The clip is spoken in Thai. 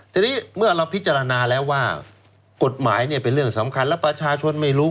ทีนี้เมื่อเราพิจารณาแล้วว่ากฎหมายเนี่ยเป็นเรื่องสำคัญแล้วประชาชนไม่รู้